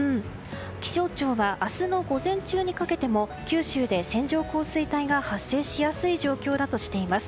気象庁は明日の午前中にかけても九州で線状降水帯が発生しやすい状況だとしています。